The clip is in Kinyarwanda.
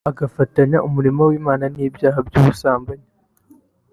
agafatanya umurimo w’Imana n’ibyaha by’ubusambanyi